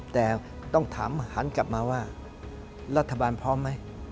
แต่ต้องถามหันกลับมาว่ารัฐบาลพร้อมไหม